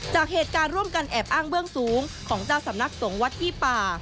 จากเหตุการณ์ร่วมกันแอบอ้างเบื้องสูงของเจ้าสำนักสงฆ์วัดที่ป่า